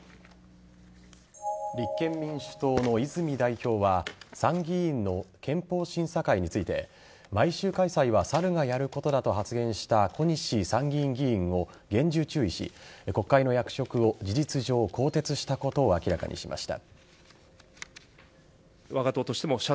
立憲民主党の泉代表は参議院の憲法審査会について毎週開催は猿がやることだと発言した小西参議院議員を厳重注意し国会の役職を事実上更迭したことを明らかにしました。